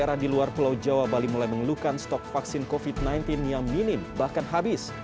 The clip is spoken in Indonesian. daerah di luar pulau jawa bali mulai mengeluhkan stok vaksin covid sembilan belas yang minim bahkan habis